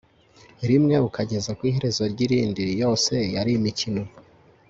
rimwe ukageza ku iherezo ry irindi yose yari mikono